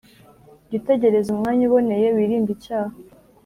Jya utegereza umwanya uboneye, wirinde icyaha,